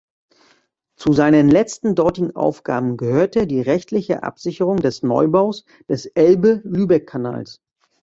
Zu seinen letzten dortigen Aufgaben gehörte die rechtliche Absicherung des Neubaus des Elbe-Lübeck-Kanals.